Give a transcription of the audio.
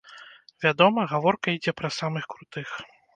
Вядома, гаворка ідзе пра самых крутых.